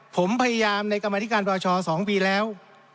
ผมพยายามในกรรมธิการประชา๒ปีแล้ว